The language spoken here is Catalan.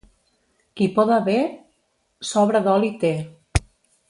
Qui poda bé, sobra d'oli té.